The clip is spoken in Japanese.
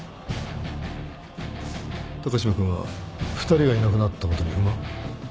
高島君は２人がいなくなったことに不満？